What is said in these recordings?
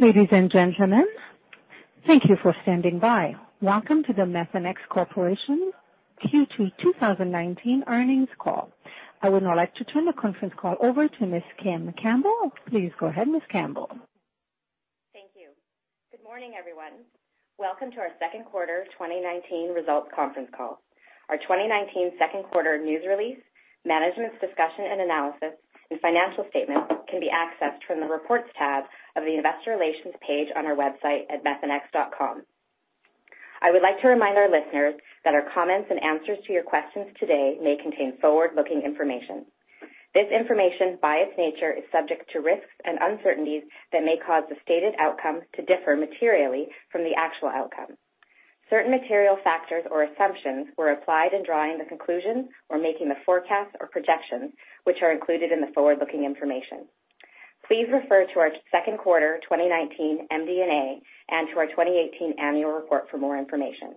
Ladies and gentlemen, thank you for standing by. Welcome to the Methanex Corporation Q2 2019 earnings call. I would now like to turn the conference call over to Ms. Kim Campbell. Please go ahead, Ms. Campbell. Thank you. Good morning, everyone. Welcome to our second quarter 2019 results conference call. Our 2019 second quarter news release, Management's Discussion and Analysis, and financial statements can be accessed from the Reports tab of the investor relations page on our website at methanex.com. I would like to remind our listeners that our comments and answers to your questions today may contain forward-looking information. This information, by its nature, is subject to risks and uncertainties that may cause the stated outcomes to differ materially from the actual outcome. Certain material factors or assumptions were applied in drawing the conclusions or making the forecasts or projections, which are included in the forward-looking information. Please refer to our second quarter 2019 MD&A and to our 2018 annual report for more information.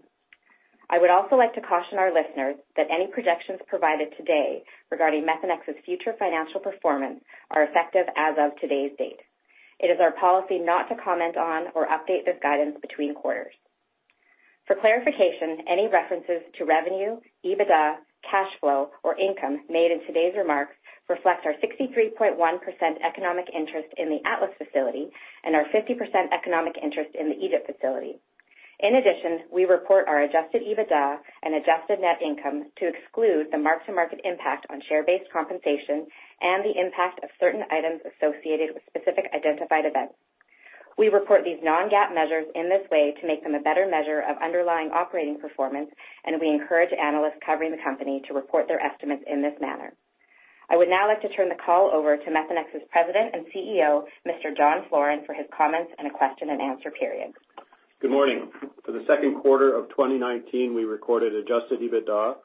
I would also like to caution our listeners that any projections provided today regarding Methanex's future financial performance are effective as of today's date. It is our policy not to comment on or update this guidance between quarters. For clarification, any references to revenue, EBITDA, cash flow, or income made in today's remarks reflect our 63.1% economic interest in the Atlas facility and our 50% economic interest in the Egypt facility. In addition, we report our adjusted EBITDA and adjusted net income to exclude the mark-to-market impact on share-based compensation and the impact of certain items associated with specific identified events. We report these non-GAAP measures in this way to make them a better measure of underlying operating performance, and we encourage analysts covering the company to report their estimates in this manner. I would now like to turn the call over to Methanex's President and CEO, Mr. John Floren, for his comments and a question and answer period. Good morning. For the second quarter of 2019, we recorded adjusted EBITDA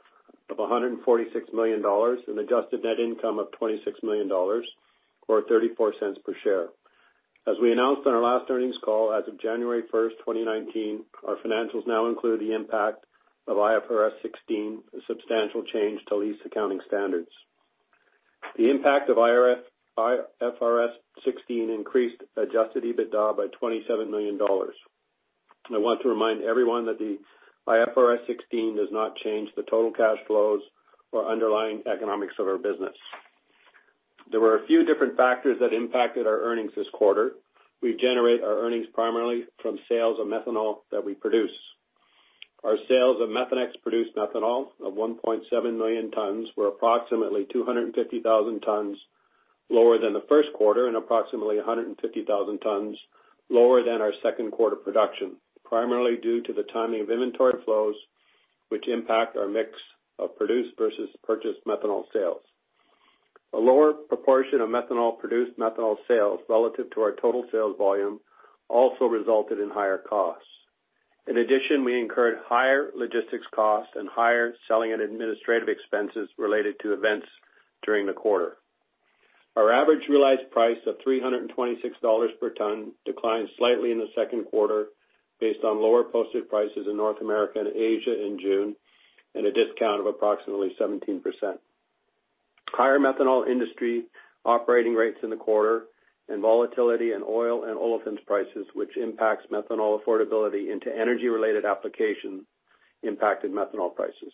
of $146 million and adjusted net income of $26 million, or $0.34 per share. As we announced on our last earnings call, as of January 1st, 2019, our financials now include the impact of IFRS 16, a substantial change to lease accounting standards. The impact of IFRS 16 increased adjusted EBITDA by $27 million. I want to remind everyone that the IFRS 16 does not change the total cash flows or underlying economics of our business. There were a few different factors that impacted our earnings this quarter. We generate our earnings primarily from sales of methanol that we produce. Our sales of Methanex produced methanol of 1.7 million tons were approximately 250,000 tons lower than the first quarter, and approximately 150,000 tons lower than our second quarter production, primarily due to the timing of inventory flows, which impact our mix of produced versus purchased methanol sales. A lower proportion of methanol produced methanol sales relative to our total sales volume also resulted in higher costs. In addition, we incurred higher logistics costs and higher selling and administrative expenses related to events during the quarter. Our average realized price of $326 per ton declined slightly in the second quarter based on lower posted prices in North America and Asia in June, and a discount of approximately 17%. Higher methanol industry operating rates in the quarter and volatility in oil and olefins prices, which impacts methanol affordability into energy-related application, impacted methanol prices.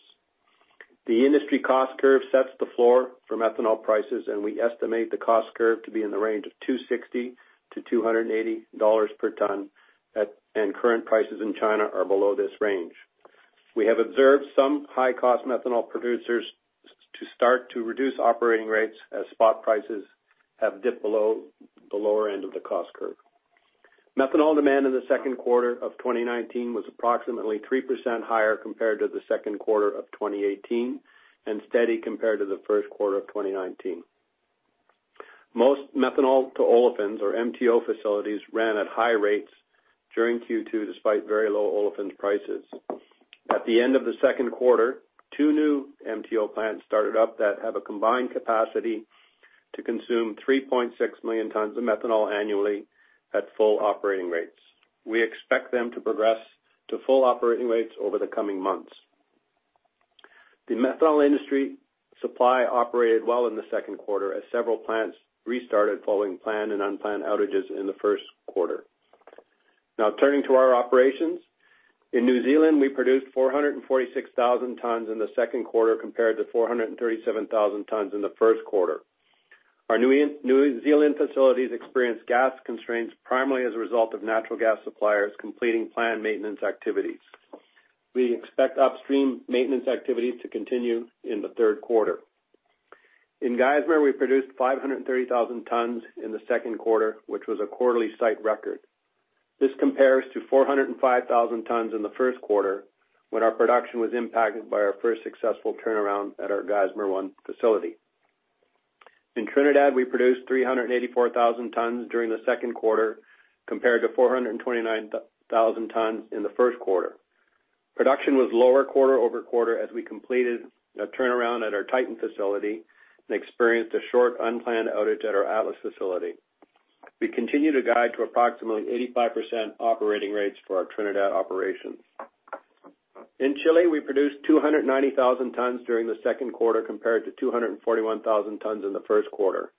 The industry cost curve sets the floor for methanol prices, and we estimate the cost curve to be in the range of $260-$280 per ton, and current prices in China are below this range. We have observed some high-cost methanol producers to start to reduce operating rates as spot prices have dipped below the lower end of the cost curve. Methanol demand in the second quarter of 2019 was approximately 3% higher compared to the second quarter of 2018, and steady compared to the first quarter of 2019. Most Methanol-to-Olefins, or MTO facilities, ran at high rates during Q2, despite very low olefins prices. At the end of the second quarter, two new MTO plants started up that have a combined capacity to consume 3.6 million tons of methanol annually at full operating rates. We expect them to progress to full operating rates over the coming months. The methanol industry supply operated well in the second quarter as several plants restarted following planned and unplanned outages in the first quarter. Turning to our operations. In New Zealand, we produced 446,000 tons in the second quarter compared to 437,000 tons in the first quarter. Our New Zealand facilities experienced gas constraints primarily as a result of natural gas suppliers completing planned maintenance activities. We expect upstream maintenance activities to continue in the third quarter. In Geismar, we produced 530,000 tons in the second quarter, which was a quarterly site record. This compares to 405,000 tons in the first quarter, when our production was impacted by our first successful turnaround at our Geismar 1 facility. In Trinidad, we produced 384,000 tons during the second quarter, compared to 429,000 tons in the first quarter. Production was lower quarter-over-quarter as we completed a turnaround at our Titan facility and experienced a short, unplanned outage at our Atlas facility. We continue to guide to approximately 85% operating rates for our Trinidad operations. In Chile, we produced 290,000 tons during the second quarter compared to 241,000 tons in the first quarter.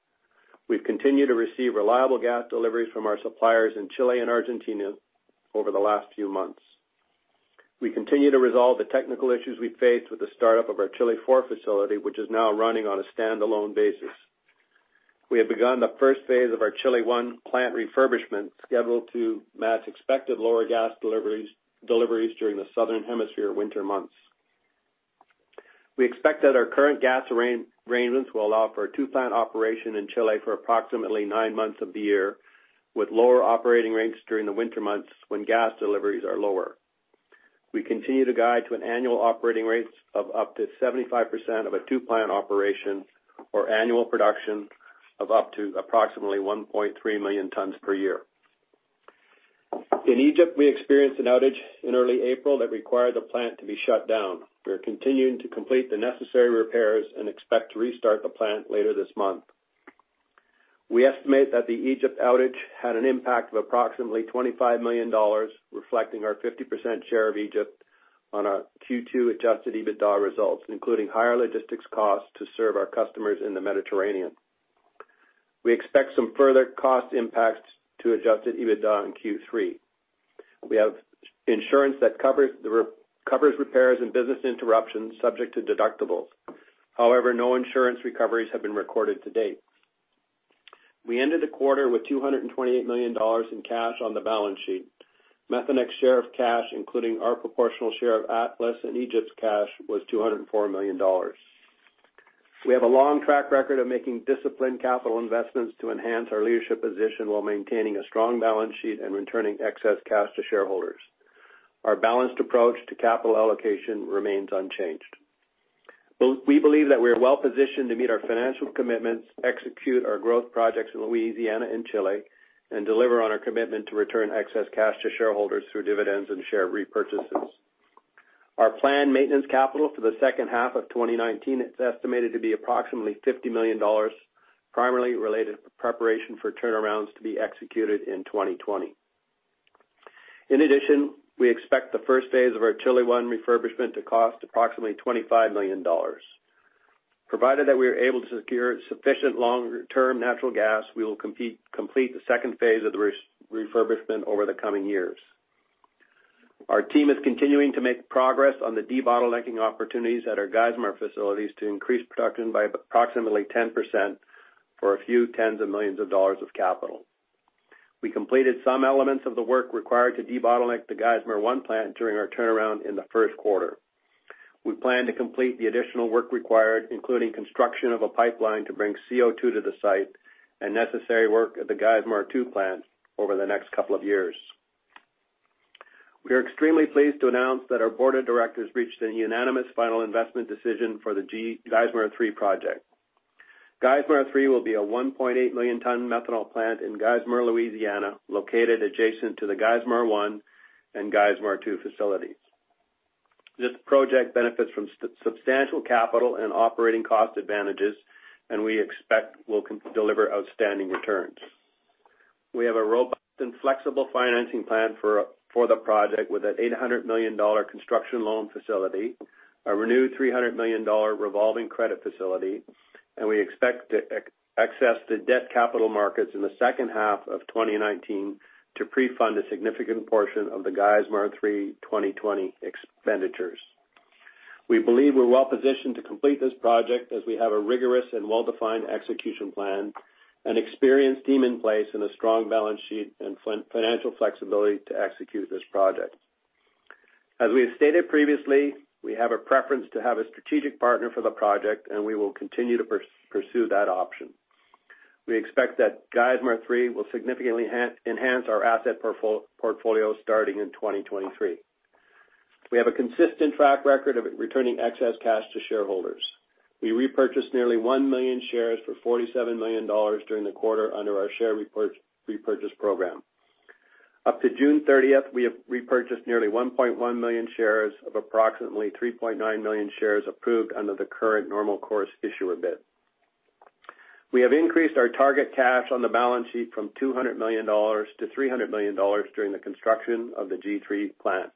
We've continued to receive reliable gas deliveries from our suppliers in Chile and Argentina over the last few months. We continue to resolve the technical issues we faced with the startup of our Chile IV facility, which is now running on a standalone basis. We have begun the first phase of our Chile I plant refurbishment scheduled to match expected lower gas deliveries during the Southern Hemisphere winter months. We expect that our current gas arrangements will allow for a two-plant operation in Chile for approximately nine months of the year, with lower operating rates during the winter months when gas deliveries are lower. We continue to guide to an annual operating rate of up to 75% of a two-plant operation or annual production of up to approximately 1.3 million tons per year. In Egypt, we experienced an outage in early April that required the plant to be shut down. We are continuing to complete the necessary repairs and expect to restart the plant later this month. We estimate that the Egypt outage had an impact of approximately $25 million, reflecting our 50% share of Egypt on our Q2 adjusted EBITDA results, including higher logistics costs to serve our customers in the Mediterranean. We expect some further cost impacts to adjusted EBITDA in Q3. We have insurance that covers repairs and business interruptions subject to deductibles. However, no insurance recoveries have been recorded to date. We ended the quarter with $228 million in cash on the balance sheet. Methanex share of cash, including our proportional share of Atlas and Egypt's cash, was $204 million. We have a long track record of making disciplined capital investments to enhance our leadership position while maintaining a strong balance sheet and returning excess cash to shareholders. Our balanced approach to capital allocation remains unchanged. We believe that we are well-positioned to meet our financial commitments, execute our growth projects in Louisiana and Chile, and deliver on our commitment to return excess cash to shareholders through dividends and share repurchases. Our planned maintenance capital for the second half of 2019 is estimated to be approximately $50 million, primarily related to preparation for turnarounds to be executed in 2020. In addition, we expect the first phase of our Chile I refurbishment to cost approximately $25 million. Provided that we are able to secure sufficient long-term natural gas, we will complete the second phase of the refurbishment over the coming years. Our team is continuing to make progress on the debottlenecking opportunities at our Geismar facilities to increase production by approximately 10% for a few tens of millions of dollars of capital. We completed some elements of the work required to debottleneck the Geismar 1 plant during our turnaround in the first quarter. We plan to complete the additional work required, including construction of a pipeline to bring CO2 to the site and necessary work at the Geismar 2 plant over the next couple of years. We are extremely pleased to announce that our board of directors reached a unanimous final investment decision for the Geismar 3 project. Geismar 3 will be a 1.8 million ton methanol plant in Geismar, Louisiana, located adjacent to the Geismar 1 and Geismar 2 facilities. This project benefits from substantial capital and operating cost advantages. We expect will deliver outstanding returns. We have a robust and flexible financing plan for the project with an $800 million construction loan facility, a renewed $300 million revolving credit facility, and we expect to access the debt capital markets in the second half of 2019 to pre-fund a significant portion of the Geismar 3 2020 expenditures. We believe we're well positioned to complete this project as we have a rigorous and well-defined execution plan, an experienced team in place, and a strong balance sheet and financial flexibility to execute this project. As we have stated previously, we have a preference to have a strategic partner for the project, and we will continue to pursue that option. We expect that Geismar 3 will significantly enhance our asset portfolio starting in 2023. We have a consistent track record of returning excess cash to shareholders. We repurchased nearly 1 million shares for $47 million during the quarter under our share repurchase program. Up to June 30th, we have repurchased nearly 1.1 million shares of approximately 3.9 million shares approved under the current Normal Course Issuer Bid. We have increased our target cash on the balance sheet from $200 million to $300 million during the construction of the G3 plant.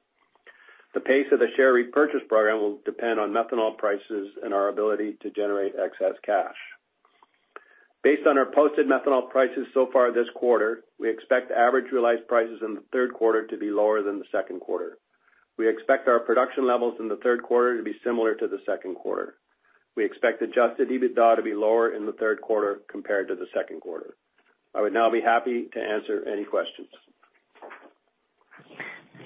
The pace of the share repurchase program will depend on methanol prices and our ability to generate excess cash. Based on our posted methanol prices so far this quarter, we expect average realized prices in the third quarter to be lower than the second quarter. We expect our production levels in the third quarter to be similar to the second quarter. We expect adjusted EBITDA to be lower in the third quarter compared to the second quarter. I would now be happy to answer any questions.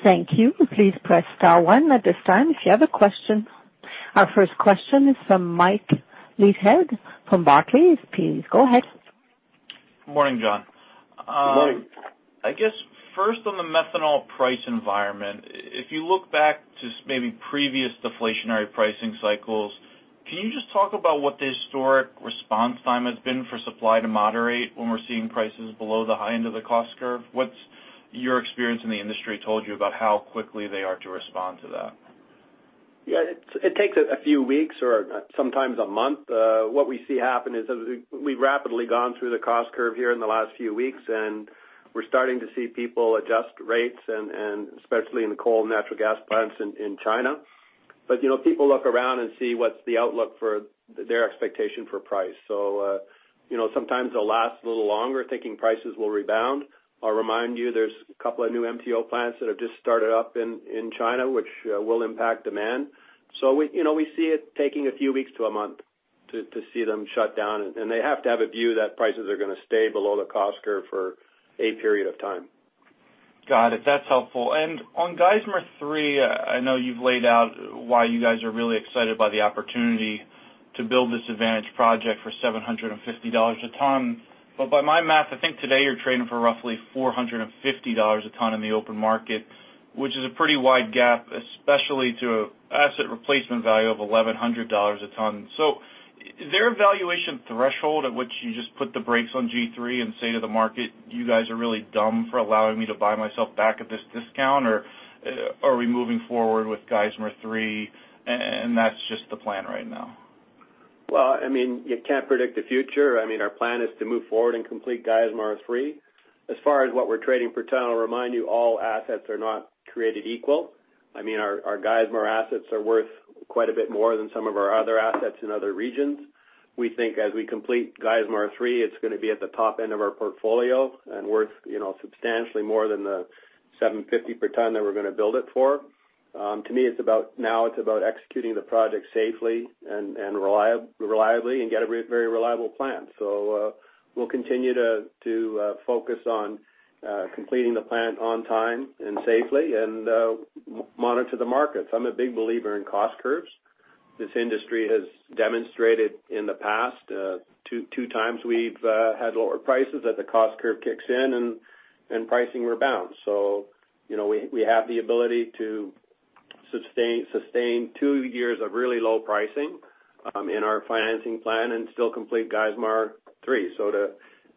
Thank you. Please press star one at this time if you have a question. Our first question is from Michael Leithead from Barclays. Please go ahead. Good morning, John. Good morning. I guess first on the methanol price environment, if you look back to maybe previous deflationary pricing cycles, can you just talk about what the historic response time has been for supply to moderate when we're seeing prices below the high end of the cost curve? What's your experience in the industry told you about how quickly they are to respond to that? Yeah. It takes a few weeks or sometimes a month. What we see happen is we've rapidly gone through the cost curve here in the last few weeks, and we're starting to see people adjust rates, and especially in the coal and natural gas plants in China. People look around and see what's the outlook for their expectation for price. Sometimes they'll last a little longer, thinking prices will rebound. I'll remind you, there's a couple of new MTO plants that have just started up in China, which will impact demand. We see it taking a few weeks to a month to see them shut down, and they have to have a view that prices are going to stay below the cost curve for a period of time. Got it. That's helpful. On Geismar 3, I know you've laid out why you guys are really excited by the opportunity to build this advantage project for $750 a ton. By my math, I think today you're trading for roughly $450 a ton in the open market, which is a pretty wide gap, especially to an asset replacement value of $1,100 a ton. Is there a valuation threshold at which you just put the brakes on G3 and say to the market, "You guys are really dumb for allowing me to buy myself back at this discount," or are we moving forward with Geismar 3, and that's just the plan right now? Well, you can't predict the future. Our plan is to move forward and complete Geismar 3. As far as what we're trading per ton, I'll remind you, all assets are not created equal. Our Geismar assets are worth quite a bit more than some of our other assets in other regions. We think as we complete Geismar 3, it's going to be at the top end of our portfolio and worth substantially more than the $750 per ton that we're going to build it for. To me, now it's about executing the project safely and reliably and get a very reliable plan. We'll continue to focus on completing the plan on time and safely and monitor the markets. I'm a big believer in cost curves. This industry has demonstrated in the past two times we've had lower prices, that the cost curve kicks in and pricing rebounds. We have the ability to sustain two years of really low pricing in our financing plan and still complete Geismar 3. To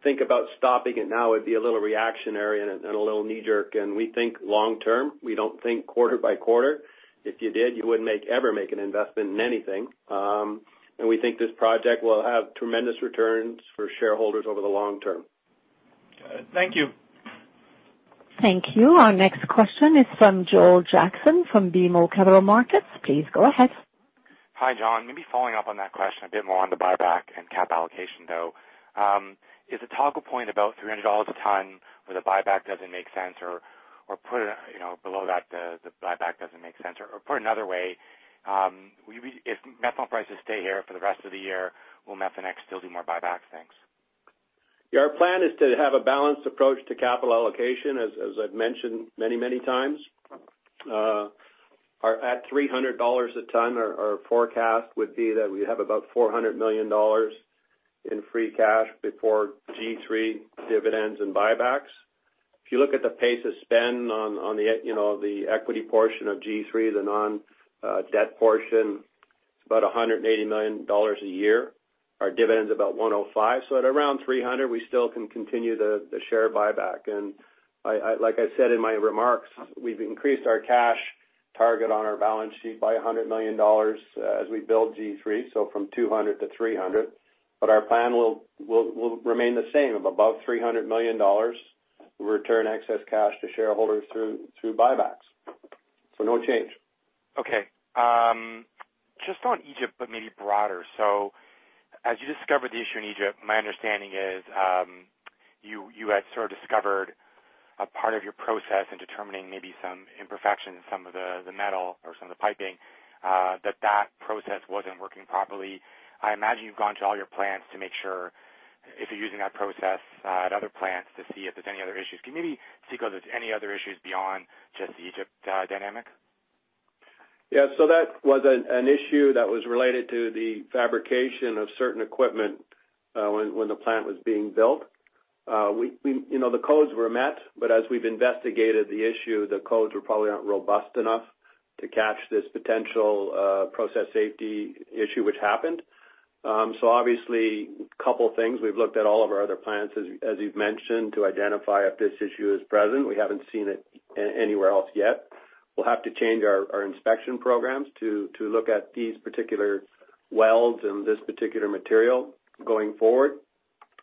think about stopping it now would be a little reactionary and a little knee-jerk, and we think long-term, we don't think quarter by quarter. If you did, you wouldn't ever make an investment in anything. We think this project will have tremendous returns for shareholders over the long term. Good. Thank you. Thank you. Our next question is from Joel Jackson from BMO Capital Markets. Please go ahead. Hi, John. Maybe following up on that question a bit more on the buyback and cap allocation, though. Is the toggle point about $300 a ton where the buyback doesn't make sense, or put it below that, the buyback doesn't make sense? Or put another way, if methanol prices stay here for the rest of the year, will Methanex still do more buybacks? Thanks. Yeah, our plan is to have a balanced approach to capital allocation, as I've mentioned many times. At $300 a ton, our forecast would be that we have about $400 million in free cash before G3 dividends and buybacks. If you look at the pace of spend on the equity portion of G3, the non-debt portion, it's about $180 million a year. Our dividend's about $105. At around $300, we still can continue the share buyback. Like I said in my remarks, we've increased our cash target on our balance sheet by $100 million as we build G3, so from $200 to $300. Our plan will remain the same of above $300 million, return excess cash to shareholders through buybacks. No change. Just on Egypt, but maybe broader. As you discovered the issue in Egypt, my understanding is you had sort of discovered a part of your process in determining maybe some imperfection in some of the metal or some of the piping, that that process wasn't working properly. I imagine you've gone to all your plants to make sure if you're using that process at other plants to see if there's any other issues. Can you maybe speak on if there's any other issues beyond just the Egypt dynamic? Yeah. That was an issue that was related to the fabrication of certain equipment when the plant was being built. The codes were met, but as we've investigated the issue, the codes were probably not robust enough to catch this potential process safety issue which happened. Obviously, a couple of things. We've looked at all of our other plants, as you've mentioned, to identify if this issue is present. We haven't seen it anywhere else yet. We'll have to change our inspection programs to look at these particular welds and this particular material going forward.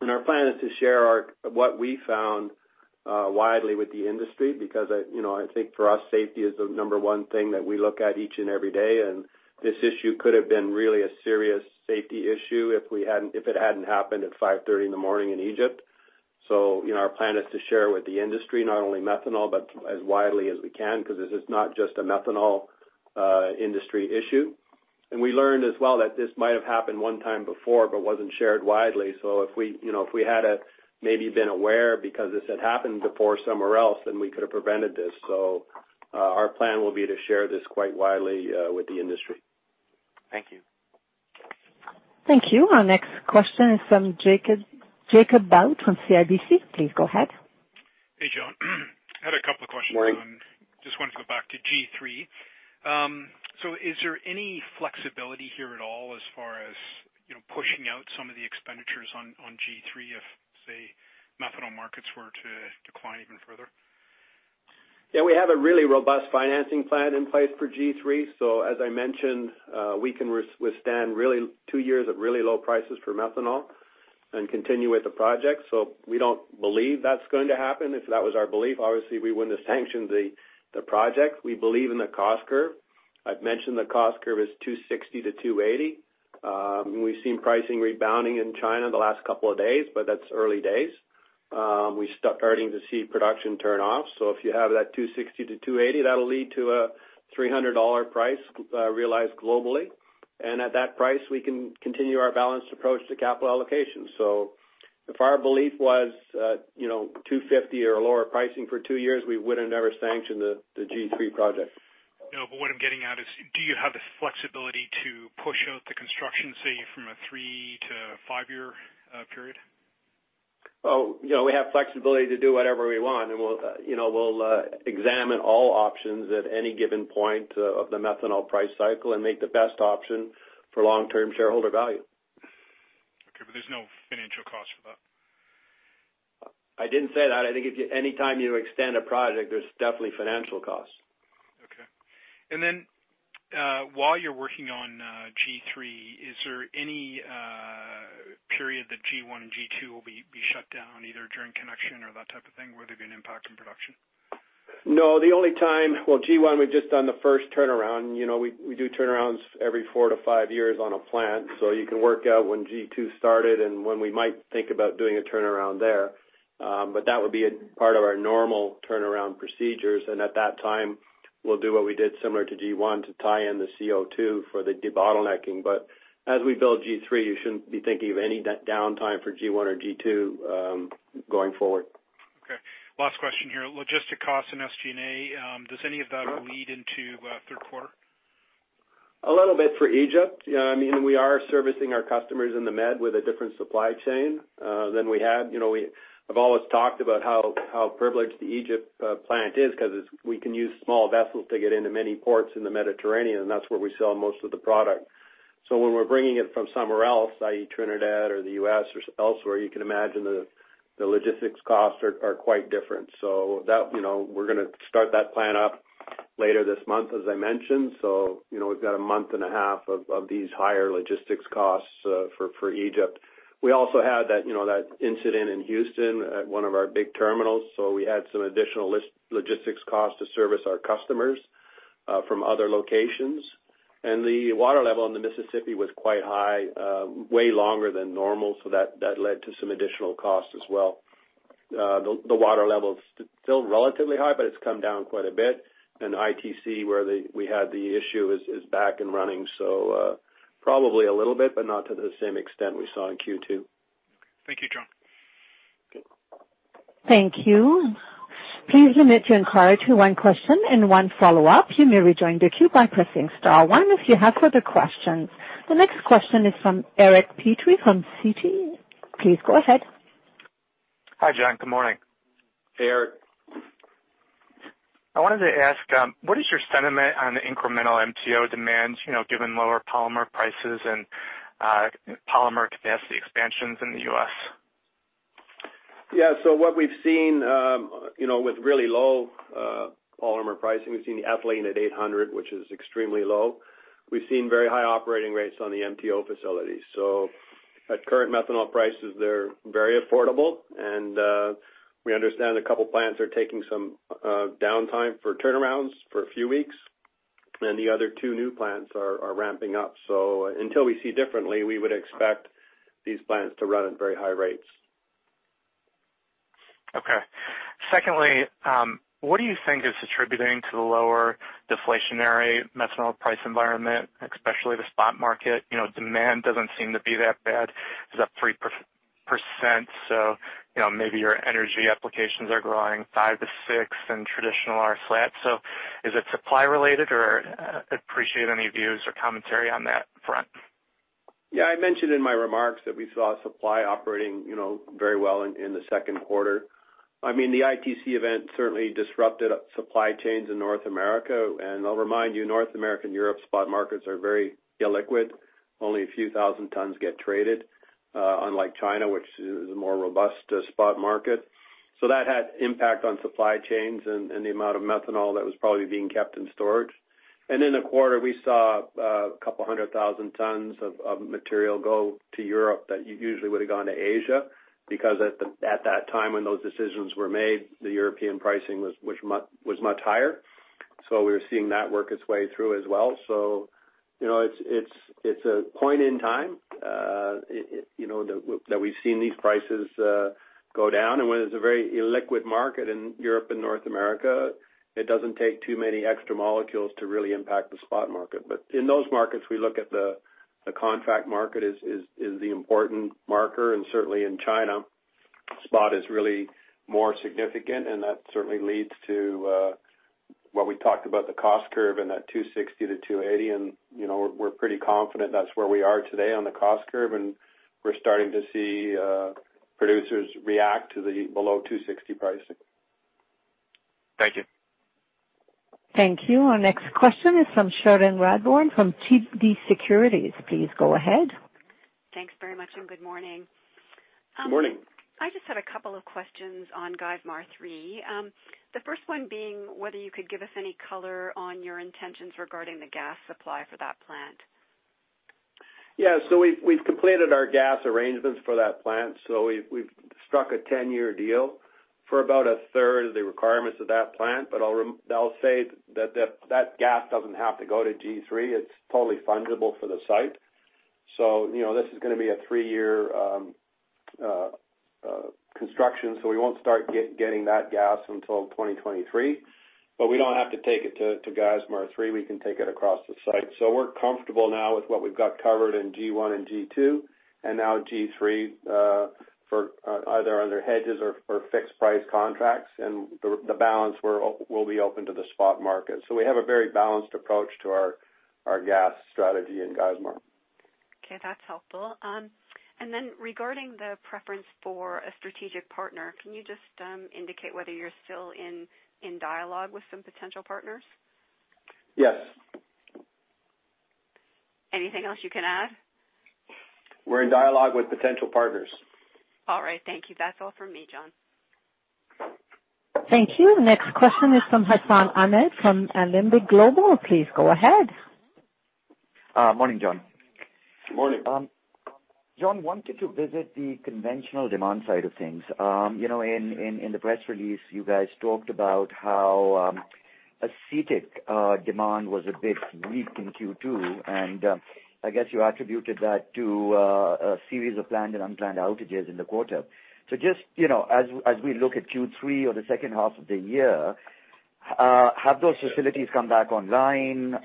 Our plan is to share what we found widely with the industry, because I think for us, safety is the number one thing that we look at each and every day, and this issue could have been really a serious safety issue if it hadn't happened at 5:30 A.M. in Egypt. Our plan is to share with the industry, not only methanol, but as widely as we can, because this is not just a methanol industry issue. We learned as well that this might have happened one time before but wasn't shared widely. If we had maybe been aware because this had happened before somewhere else, then we could have prevented this. Our plan will be to share this quite widely with the industry. Thank you. Thank you. Our next question is from Jacob Bout from CIBC. Please go ahead. Hey, John. I had a couple of questions. Morning. Just wanted to go back to G3. Is there any flexibility here at all if say methanol markets were to decline even further? Yeah, we have a really robust financing plan in place for G3. As I mentioned, we can withstand two years of really low prices for methanol and continue with the project. We don't believe that's going to happen. If that was our belief, obviously we wouldn't have sanctioned the project. We believe in the cost curve. I've mentioned the cost curve is $260-$280. We've seen pricing rebounding in China the last couple of days, but that's early days. We're starting to see production turn off, so if you have that $260-$280, that'll lead to a $300 price realized globally. At that price, we can continue our balanced approach to capital allocation. If our belief was $250 or lower pricing for two years, we wouldn't ever sanction the G3 project. No, what I'm getting at is do you have the flexibility to push out the construction, say, from a three to five-year period? We have flexibility to do whatever we want, and we'll examine all options at any given point of the methanol price cycle and make the best option for long-term shareholder value. Okay, there's no financial cost for that. I didn't say that. I think any time you extend a project, there's definitely financial cost. Okay. While you're working on G3, is there any period that G1 and G2 will be shut down, either during connection or that type of thing? Will there be an impact in production? No. Well, G1, we've just done the first turnaround. We do turnarounds every four to five years on a plant, so you can work out when G2 started and when we might think about doing a turnaround there. That would be a part of our normal turnaround procedures, and at that time, we'll do what we did similar to G1 to tie in the CO2 for the debottlenecking. As we build G3, you shouldn't be thinking of any downtime for G1 or G2 going forward. Okay. Last question here. Logistic costs and SG&A, does any of that lead into third quarter? A little bit for Egypt. We are servicing our customers in the Med with a different supply chain than we had. I've always talked about how privileged the Egypt plant is because we can use small vessels to get into many ports in the Mediterranean, and that's where we sell most of the product. When we're bringing it from somewhere else, i.e., Trinidad or the U.S. or elsewhere, you can imagine the logistics costs are quite different. We're going to start that plant up later this month, as I mentioned. We've got a month and a half of these higher logistics costs for Egypt. We also had that incident in Houston at one of our big terminals, so we had some additional logistics cost to service our customers from other locations. The water level on the Mississippi was quite high, way longer than normal, that led to some additional cost as well. The water level's still relatively high, it's come down quite a bit, ITC, where we had the issue, is back and running. Probably a little bit, but not to the same extent we saw in Q2. Thank you, John. Thank you. Please limit your inquiry to one question and one follow-up. You may rejoin the queue by pressing star one if you have further questions. The next question is from Eric Petrie from Citi. Please go ahead. Hi, John. Good morning. Hey, Eric. I wanted to ask, what is your sentiment on the incremental MTO demands, given lower polymer prices and polymer capacity expansions in the U.S.? Yeah. What we've seen with really low polymer pricing, we've seen ethylene at $800, which is extremely low. We've seen very high operating rates on the MTO facilities. At current methanol prices, they're very affordable and we understand a couple plants are taking some downtime for turnarounds for a few weeks, and the other two new plants are ramping up. Until we see differently, we would expect these plants to run at very high rates. Okay. Secondly, what do you think is attributing to the lower deflationary methanol price environment, especially the spot market? Demand doesn't seem to be that bad. It's up 3%, so maybe your energy applications are growing 5%-6% and traditional are flat. Is it supply related? Appreciate any views or commentary on that front. Yeah, I mentioned in my remarks that we saw supply operating very well in the second quarter. The ITC event certainly disrupted supply chains in North America. I'll remind you, North America and Europe spot markets are very illiquid. Only a few thousand tons get traded, unlike China, which is a more robust spot market. That had impact on supply chains and the amount of methanol that was probably being kept in storage. In the quarter, we saw a couple hundred thousand tons of material go to Europe that usually would've gone to Asia, because at that time when those decisions were made, the European pricing was much higher. We were seeing that work its way through as well. It's a point in time that we've seen these prices go down, and when it's a very illiquid market in Europe and North America, it doesn't take too many extra molecules to really impact the spot market. In those markets, we look at the contract market as the important marker, and certainly in China, spot is really more significant, and that certainly leads to what we talked about, the cost curve and that $260-$280. We're pretty confident that's where we are today on the cost curve, and we're starting to see producers react to the below $260 pricing. Thank you. Thank you. Our next question is from Cherilyn Radbourne from TD Securities. Please go ahead. Thanks very much, and good morning. Morning. I just had a couple of questions on Geismar 3. The first one being whether you could give us any color on your intentions regarding the gas supply for that plant. We've completed our gas arrangements for that plant. We've struck a 10-year deal for about a third of the requirements of that plant, but I'll say that gas doesn't have to go to G3. It's totally fundable for the site. This is going to be a three-year construction, so we won't start getting that gas until 2023. We don't have to take it to Geismar 3, we can take it across the site. We're comfortable now with what we've got covered in G1 and G2, and now G3 for either under hedges or for fixed price contracts. The balance will be open to the spot market. We have a very balanced approach to our gas strategy in Geismar. Okay. That's helpful. Regarding the preference for a strategic partner, can you just indicate whether you're still in dialogue with some potential partners? Yes. Anything else you can add? We're in dialogue with potential partners. All right. Thank you. That's all from me, John. Thank you. Next question is from Hassan Ahmed from Alembic Global. Please go ahead. Morning, John. Morning. John, wanted to visit the conventional demand side of things. In the press release, you guys talked about how acetic demand was a bit weak in Q2. I guess you attributed that to a series of planned and unplanned outages in the quarter. Just as we look at Q3 or the second half of the year, have those facilities come back online?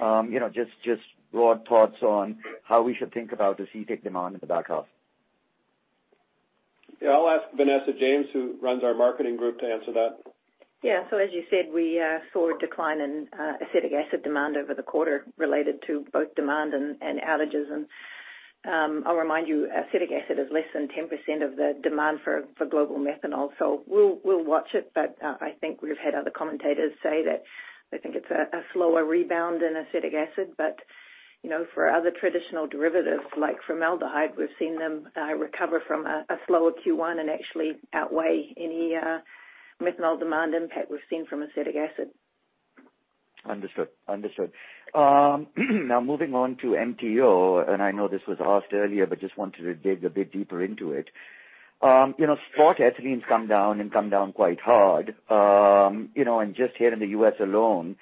Just broad thoughts on how we should think about acetic demand in the back half. Yeah, I'll ask Vanessa James, who runs our marketing group, to answer that. Yeah. As you said, we saw a decline in acetic acid demand over the quarter related to both demand and outages. I'll remind you, acetic acid is less than 10% of the demand for global methanol. We'll watch it, but I think we've had other commentators say that they think it's a slower rebound in acetic acid. For other traditional derivatives like formaldehyde, we've seen them recover from a slower Q1 and actually outweigh any methanol demand impact we've seen from acetic acid. Understood. Moving on to MTO. I know this was asked earlier, but just wanted to dig a bit deeper into it. Spot ethylene's come down and come down quite hard, just here in the U.S. alone.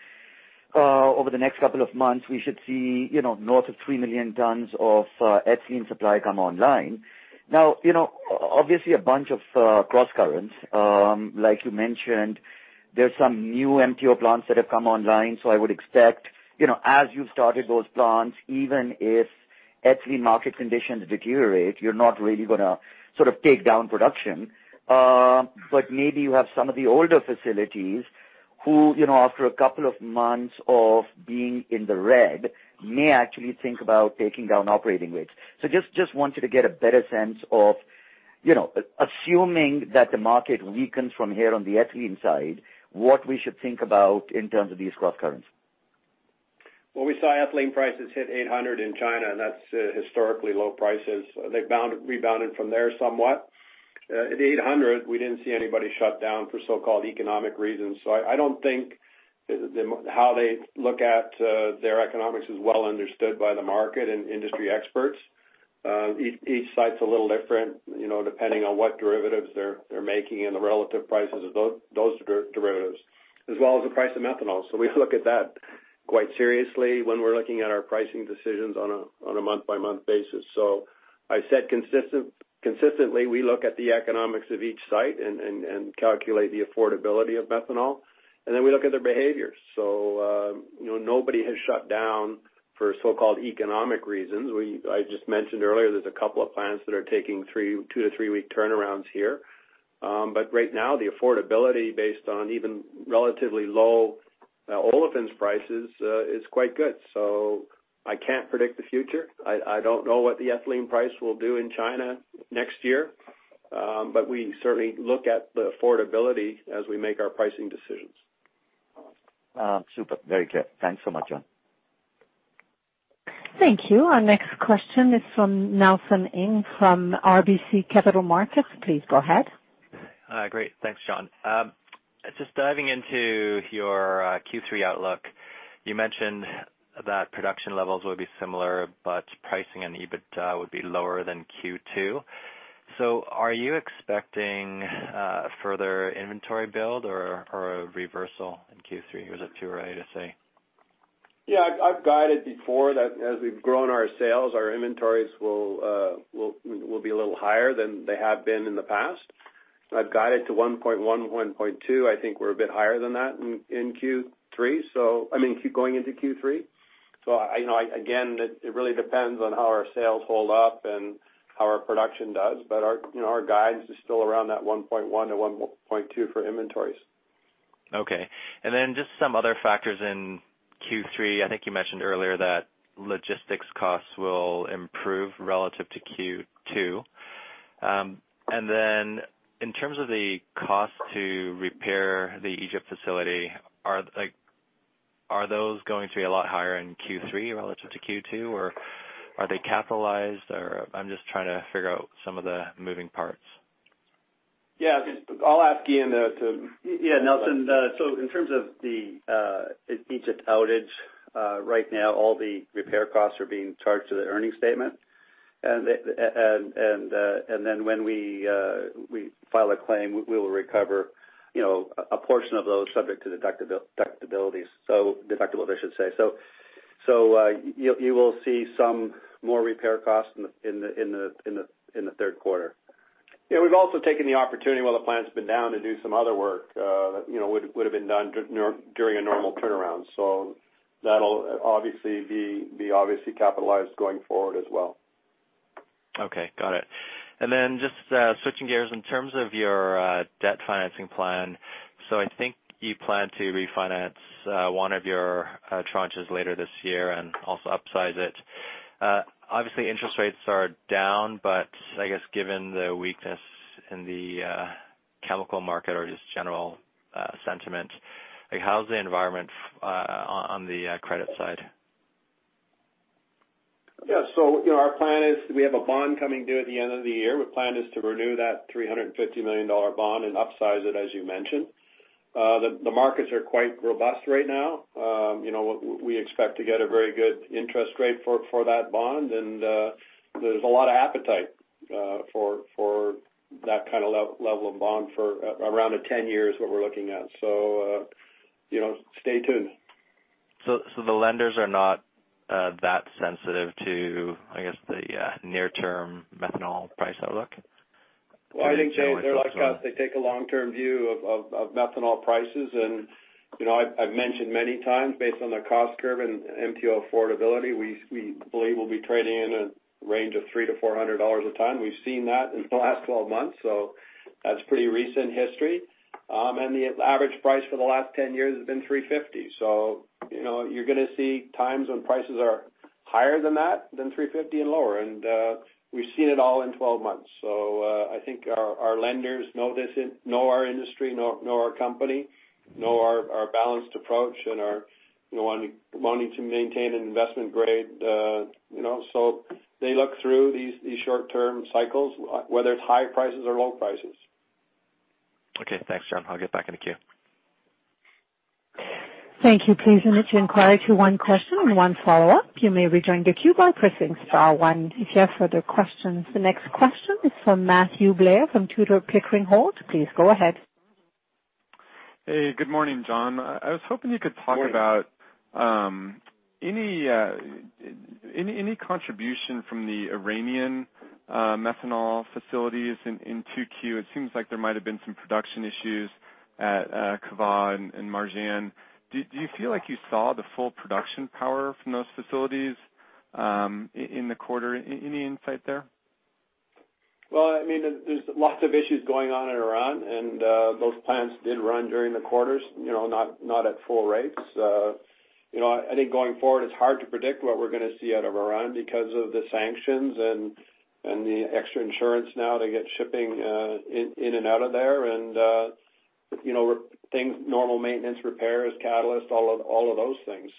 Over the next couple of months, we should see north of three million tons of ethylene supply come online. Obviously a bunch of crosscurrents. Like you mentioned, there's some new MTO plants that have come online. I would expect as you've started those plants, even if ethylene market conditions deteriorate, you're not really going to sort of take down production. Maybe you have some of the older facilities who, after a couple of months of being in the red, may actually think about taking down operating rates. Just wanted to get a better sense of assuming that the market weakens from here on the ethylene side, what we should think about in terms of these crosscurrents. Well, we saw ethylene prices hit $800 in China, that's historically low prices. They've rebounded from there somewhat. At $800, we didn't see anybody shut down for so-called economic reasons. I don't think how they look at their economics is well understood by the market and industry experts. Each site's a little different, depending on what derivatives they're making and the relative prices of those derivatives, as well as the price of methanol. We look at that quite seriously when we're looking at our pricing decisions on a month-by-month basis. I said consistently, we look at the economics of each site and calculate the affordability of methanol, we look at their behaviors. Nobody has shut down for so-called economic reasons. I just mentioned earlier, there's a couple of plants that are taking two to three-week turnarounds here. Right now the affordability based on even relatively low olefins prices is quite good. I can't predict the future. I don't know what the ethylene price will do in China next year. We certainly look at the affordability as we make our pricing decisions. Super. Very clear. Thanks so much, John. Thank you. Our next question is from Nelson Ng from RBC Capital Markets. Please go ahead. Great. Thanks, John. Just diving into your Q3 outlook, you mentioned that production levels will be similar, but pricing and EBITDA would be lower than Q2. Are you expecting further inventory build or a reversal in Q3? Is it too early to say? I've guided before that as we've grown our sales, our inventories will be a little higher than they have been in the past. I've guided to 1.1.2. I think we're a bit higher than that in Q3, I mean, going into Q3. Again, it really depends on how our sales hold up and how our production does, but our guidance is still around that 1.1 to 1.2 for inventories. Okay. Just some other factors in Q3. I think you mentioned earlier that logistics costs will improve relative to Q2. In terms of the cost to repair the Egypt facility, are those going to be a lot higher in Q3 relative to Q2, or are they capitalized? I'm just trying to figure out some of the moving parts. Yeah. I'll ask Ian. Yeah, Nelson. In terms of the Egypt outage, right now all the repair costs are being charged to the earnings statement. When we file a claim, we will recover a portion of those subject to deductibilities. Deductible, I should say. You will see some more repair costs in the third quarter. Yeah, we've also taken the opportunity while the plant's been down to do some other work that would've been done during a normal turnaround. That'll obviously be capitalized going forward as well. Okay, got it. Just switching gears in terms of your debt financing plan. I think you plan to refinance one of your tranches later this year and also upsize it. Obviously interest rates are down, but I guess given the weakness in the chemical market or just general sentiment, how's the environment on the credit side? Yeah. Our plan is, we have a bond coming due at the end of the year. The plan is to renew that $350 million bond and upsize it, as you mentioned. The markets are quite robust right now. We expect to get a very good interest rate for that bond. There's a lot of appetite for that kind of level of bond for around a 10 years, what we're looking at. Stay tuned. The lenders are not that sensitive to, I guess, the near term methanol price outlook? Well, I think they, like us, they take a long-term view of methanol prices. I've mentioned many times, based on the cost curve and MTO affordability, we believe we'll be trading in a range of $300-$400 a ton. We've seen that in the last 12 months, that's pretty recent history. The average price for the last 10 years has been $350. You're going to see times when prices are higher than that, than $350 and lower. We've seen it all in 12 months. I think our lenders know our industry, know our company, know our balanced approach and are wanting to maintain an investment grade. They look through these short-term cycles, whether it's high prices or low prices. Okay. Thanks, John. I'll get back in the queue. Thank you. Please limit your inquiry to one question and one follow-up. You may rejoin the queue by pressing star one if you have further questions. The next question is from Matthew Blair from Tudor, Pickering, Holt. Please go ahead. Hey, good morning, John. Good morning. I was hoping you could talk about any contribution from the Iranian methanol facilities in 2Q. It seems like there might have been some production issues at Kaveh and Marjan. Do you feel like you saw the full production power from those facilities, in the quarter? Any insight there? There's lots of issues going on in Iran. Those plants did run during the quarters, not at full rates. I think going forward, it's hard to predict what we're going to see out of Iran because of the sanctions and the extra insurance now to get shipping in and out of there. Normal maintenance, repairs, catalyst, all of those things.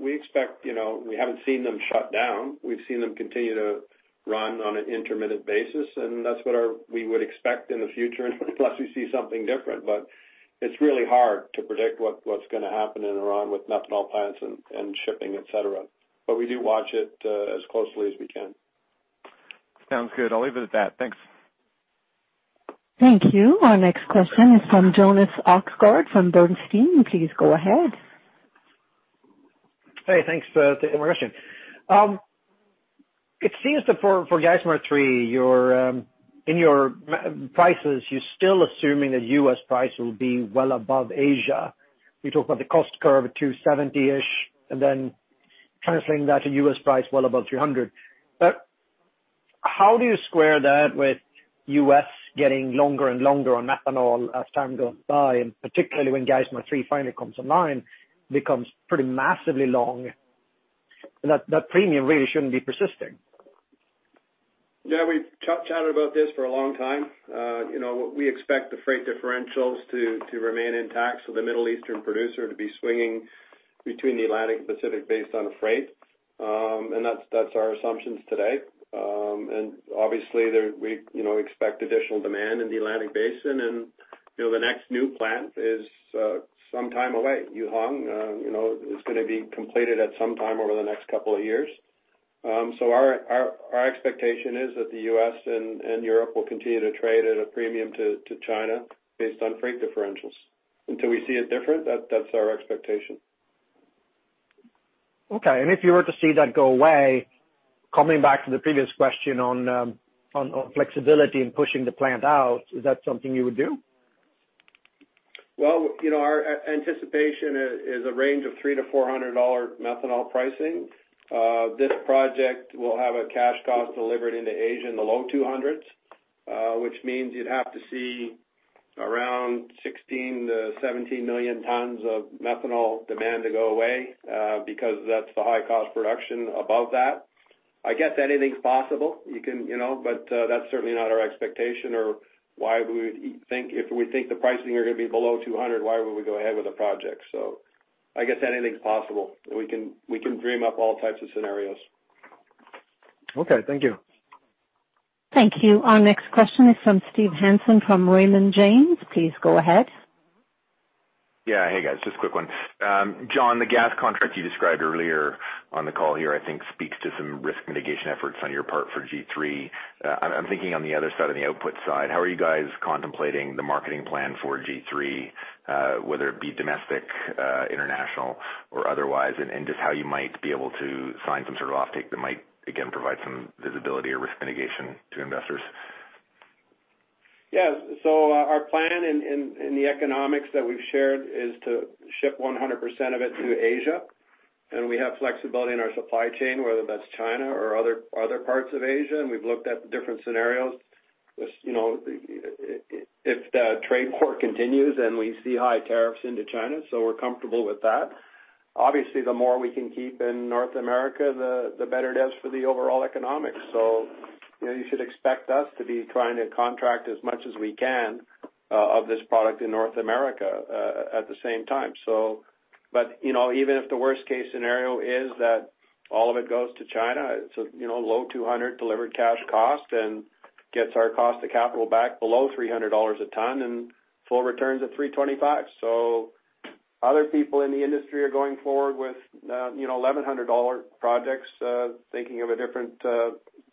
We expect, we haven't seen them shut down. We've seen them continue to run on an intermittent basis, and that's what we would expect in the future unless we see something different. It's really hard to predict what's going to happen in Iran with methanol plants and shipping, et cetera. We do watch it as closely as we can. Sounds good. I'll leave it at that. Thanks. Thank you. Our next question is from Jonas Oxgaard from Bernstein. Please go ahead. Hey, thanks. Thank you for taking my question. It seems that for Geismar 3, in your prices, you're still assuming the U.S. price will be well above Asia. You talk about the cost curve at $270-ish, and then translating that to U.S. price well above $300. How do you square that with U.S. getting longer and longer on methanol as time goes by, and particularly when Geismar 3 finally comes online, becomes pretty massively long. That premium really shouldn't be persisting. Yeah. We've chatted about this for a long time. We expect the freight differentials to remain intact. The Middle Eastern producer to be swinging between the Atlantic and Pacific based on freight. That's our assumptions today. Obviously we expect additional demand in the Atlantic basin and the next new plant is some time away. Yuhuang is going to be completed at some time over the next couple of years. Our expectation is that the U.S. and Europe will continue to trade at a premium to China based on freight differentials. Until we see it different, that's our expectation. Okay. If you were to see that go away, coming back to the previous question on flexibility in pushing the plant out, is that something you would do? Well, our anticipation is a range of $300-$400 methanol pricing. This project will have a cash cost delivered into Asia in the low $200s. Which means you'd have to see around 16-17 million tons of methanol demand to go away because that's the high-cost production above that. I guess anything's possible, but that's certainly not our expectation or if we think the pricing are going to be below $200, why would we go ahead with the project? I guess anything's possible. We can dream up all types of scenarios. Okay. Thank you. Thank you. Our next question is from Steve Hansen from Raymond James. Please go ahead. Hey, guys. Just a quick one. John, the gas contract you described earlier on the call here, I think speaks to some risk mitigation efforts on your part for G3. I'm thinking on the other side, on the output side, how are you guys contemplating the marketing plan for G3, whether it be domestic, international or otherwise, and just how you might be able to sign some sort of off-take that might, again, provide some visibility or risk mitigation to investors? Yeah. Our plan and the economics that we've shared is to ship 100% of it to Asia, and we have flexibility in our supply chain, whether that's China or other parts of Asia, and we've looked at the different scenarios. If the trade war continues and we see high tariffs into China, we're comfortable with that. Obviously, the more we can keep in North America, the better it is for the overall economics. You should expect us to be trying to contract as much as we can of this product in North America at the same time. Even if the worst case scenario is that all of it goes to China, it's a low 200 delivered cash cost and gets our cost to capital back below $300 a ton, and full returns at $325. Other people in the industry are going forward with $1,100 projects thinking of a different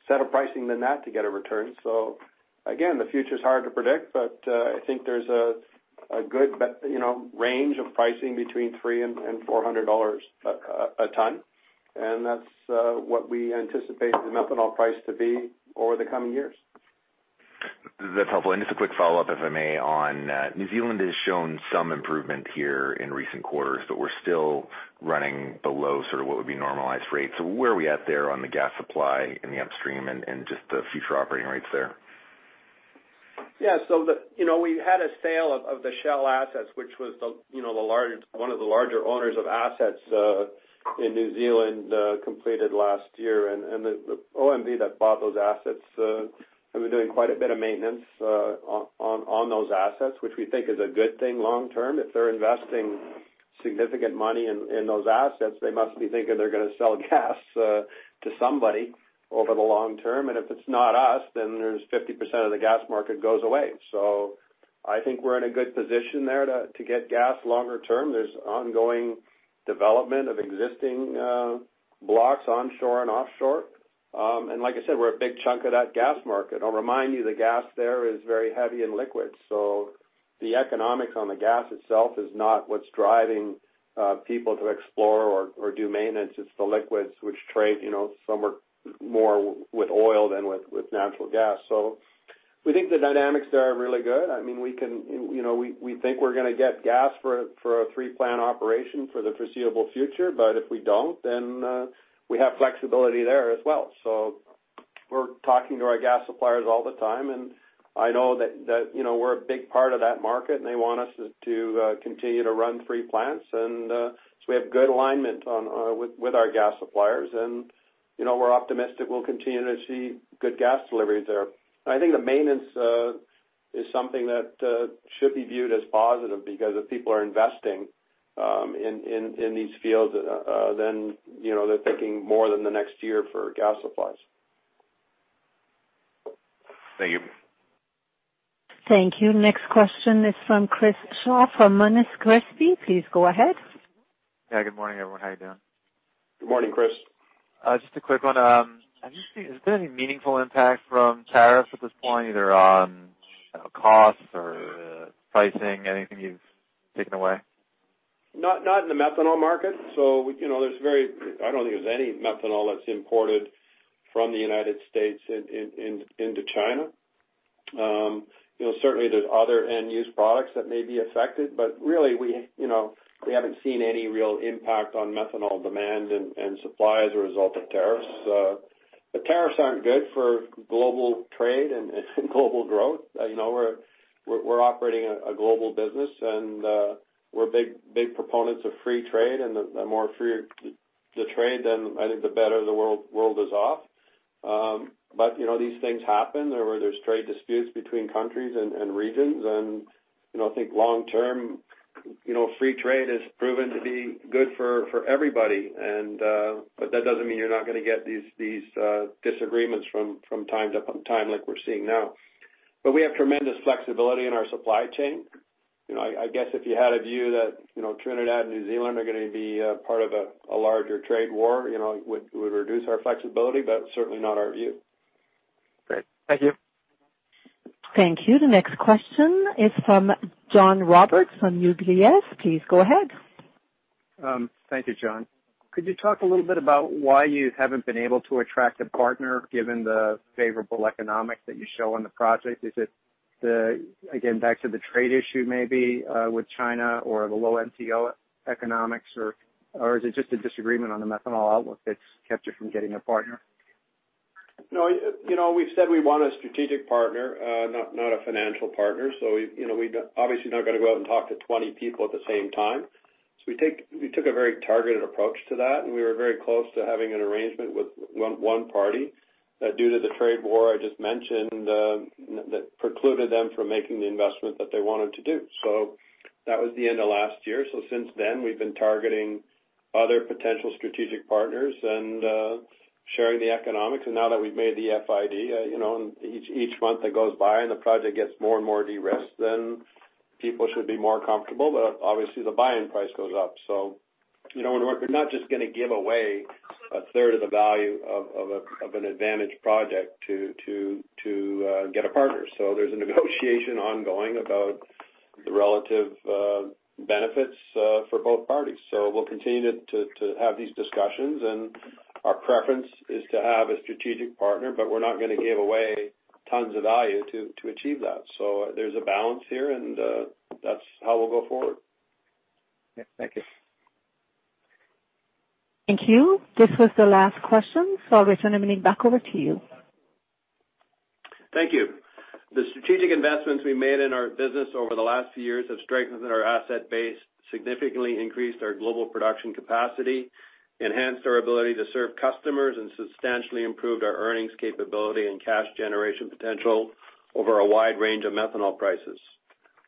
set of pricing than that to get a return. Again, the future's hard to predict, but I think there's a good range of pricing between $300 and $400 a ton, and that's what we anticipate the methanol price to be over the coming years. That's helpful. Just a quick follow-up, if I may. New Zealand has shown some improvement here in recent quarters, but we're still running below sort of what would be normalized rates. Where are we at there on the gas supply in the upstream and just the future operating rates there? Yeah. We had a sale of the Shell assets, which was one of the larger owners of assets in New Zealand, completed last year. The OMV that bought those assets have been doing quite a bit of maintenance on those assets, which we think is a good thing long term. If they're investing significant money in those assets, they must be thinking they're going to sell gas to somebody over the long term. If it's not us, then there's 50% of the gas market goes away. I think we're in a good position there to get gas longer term. There's ongoing development of existing blocks onshore and offshore. Like I said, we're a big chunk of that gas market. I'll remind you, the gas there is very heavy in liquids, so the economics on the gas itself is not what's driving people to explore or do maintenance. It's the liquids which trade somewhere more with oil than with natural gas. We think the dynamics there are really good. We think we're going to get gas for a three-plant operation for the foreseeable future. If we don't, then we have flexibility there as well. We're talking to our gas suppliers all the time, and I know that we're a big part of that market, and they want us to continue to run three plants. We have good alignment with our gas suppliers, and we're optimistic we'll continue to see good gas deliveries there. I think the maintenance is something that should be viewed as positive because if people are investing in these fields, then they're thinking more than the next year for gas supplies. Thank you. Thank you. Next question is from Chris Shaw from Monness Crespi. Please go ahead. Good morning, everyone. How you doing? Good morning, Chris. Just a quick one. Has there been any meaningful impact from tariffs at this point, either on costs or pricing? Anything you've taken away? Not in the methanol market. I don't think there's any methanol that's imported from the U.S. into China. Certainly, there's other end-use products that may be affected, but really, we haven't seen any real impact on methanol demand and supply as a result of tariffs. The tariffs aren't good for global trade and global growth. We're operating a global business, and we're big proponents of free trade, and the more freer the trade, then I think the better the world is off. These things happen where there's trade disputes between countries and regions, and I think long term, free trade has proven to be good for everybody. That doesn't mean you're not going to get these disagreements from time to time like we're seeing now. We have tremendous flexibility in our supply chain. I guess if you had a view that Trinidad and New Zealand are going to be part of a larger trade war, it would reduce our flexibility, but certainly not our view. Great. Thank you. Thank you. The next question is from John Roberts from UBS. Please go ahead. Thank you, John. Could you talk a little bit about why you haven't been able to attract a partner given the favorable economics that you show on the project? Is it, again, back to the trade issue maybe with China or the low MTO economics, or is it just a disagreement on the methanol outlook that's kept you from getting a partner? No, we've said we want a strategic partner, not a financial partner. We're obviously not going to go out and talk to 20 people at the same time. We took a very targeted approach to that, and we were very close to having an arrangement with one party. Due to the trade war I just mentioned, that precluded them from making the investment that they wanted to do. That was the end of last year. Since then, we've been targeting other potential strategic partners and sharing the economics. Now that we've made the FID, each month that goes by and the project gets more and more de-risked, then people should be more comfortable. Obviously the buying price goes up. We're not just going to give away a third of the value of an advantage project to get a partner. There's a negotiation ongoing about the relative benefits for both parties. We'll continue to have these discussions, and our preference is to have a strategic partner, but we're not going to give away tons of value to achieve that. There's a balance here, and that's how we'll go forward. Thank you. Thank you. This was the last question, so I'll return the meeting back over to you. Thank you. The strategic investments we made in our business over the last few years have strengthened our asset base, significantly increased our global production capacity, enhanced our ability to serve customers, and substantially improved our earnings capability and cash generation potential over a wide range of methanol prices.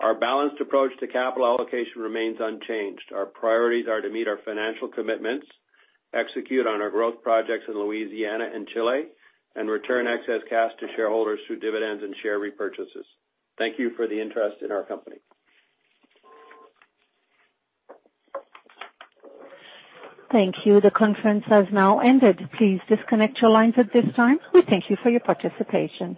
Our balanced approach to capital allocation remains unchanged. Our priorities are to meet our financial commitments, execute on our growth projects in Louisiana and Chile, and return excess cash to shareholders through dividends and share repurchases. Thank you for the interest in our company. Thank you. The conference has now ended. Please disconnect your lines at this time. We thank you for your participation.